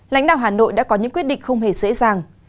lãnh đạo hà nội đã có những quyết định không hề dễ dàng